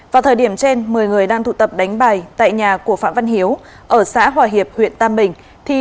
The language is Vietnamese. vào thời điểm trên một mươi người đang tụ tập đánh bài tại nhà của phạm văn hiếu ở xã hòa hiệp huyện tam bình